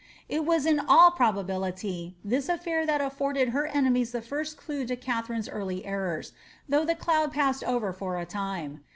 It was in all probability this afiair that afibrded her enemies the first clue to Katharine's early errors, though the cloud passed over for a time.